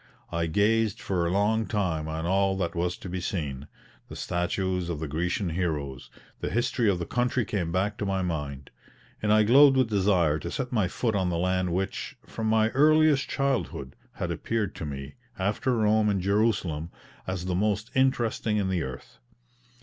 I gazed for a long time on all that was to be seen; the statues of the Grecian heroes, the history of the country came back to my mind; and I glowed with desire to set my foot on the land which, from my earliest childhood, had appeared to me, after Rome and Jerusalem, as the most interesting in the earth.